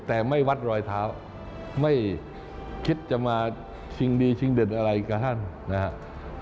แต่ไม่วัดรอยเท้าไม่คิดจะมาชิงดีชิงเด็ดอะไรกับท่านนะครับ